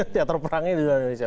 teater perangnya di luar indonesia